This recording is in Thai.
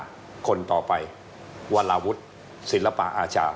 คนต่อไปวราวุฒิศิลปะอาชา